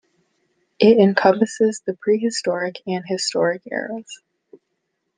It encompasses the pre-historic and historic eras.